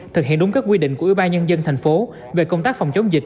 thực hiện đúng các quy định của ủy ban nhân dân thành phố về công tác phòng chống dịch